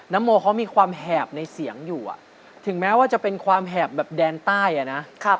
โมเขามีความแหบในเสียงอยู่ถึงแม้ว่าจะเป็นความแหบแบบแดนใต้อ่ะนะ